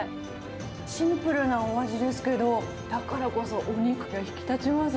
シンプルなお味ですけど、だからこそお肉か引き立ちます。